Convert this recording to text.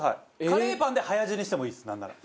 カレーパンで早死にしてもいいですなんなら。